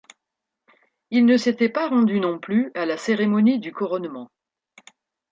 Il ne s'était pas rendu non plus à la cérémonie du couronnement.